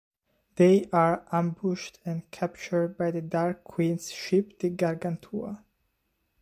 They are ambushed and captured by the Dark Queen's ship, the Gargantua.